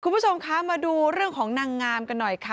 คุณผู้ชมคะมาดูเรื่องของนางงามกันหน่อยค่ะ